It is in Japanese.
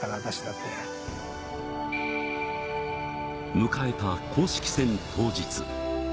迎えた公式戦当日。